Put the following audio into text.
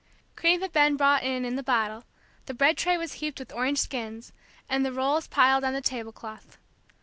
Cream had been brought in in the bottle, the bread tray was heaped with orange skins, and the rolls piled on the tablecloth.